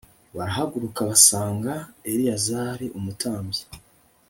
barahaguruka basanga eleyazari umutambyi